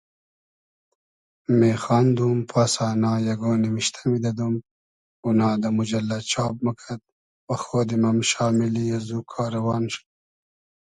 میخاندوم پاسانا یئگۉ نیمیشتۂ میدئدوم اونا دۂ موجئللۂ چاب موکئد وخۉدیم ام شامیلی از او کاروان شودوم